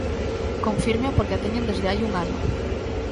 Confírmeo porque a teñen desde hai un ano.